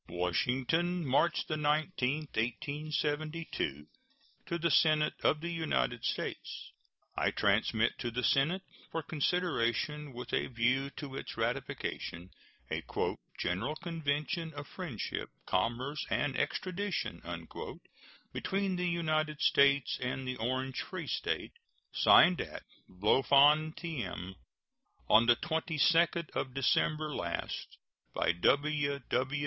] WASHINGTON, March 19, 1872. To the Senate of the United States: I transmit to the Senate, for consideration with a view to its ratification, a "general convention of friendship, commerce, and extradition" between the United States and the Orange Free State, signed at Bloemfontein on the 22d of December last by W.W.